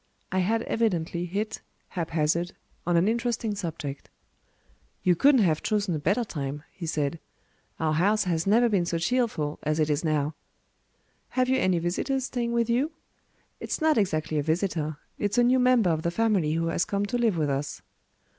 I had evidently hit, hap hazard, on an interesting subject. "You couldn't have chosen a better time," he said. "Our house has never been so cheerful as it is now." "Have you any visitors staying with you?" "It's not exactly a visitor. It's a new member of the family who has come to live with us."